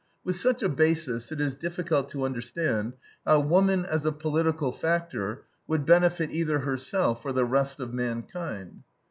With such a basis, it is difficult to understand how woman, as a political factor, would benefit either herself or the rest of mankind.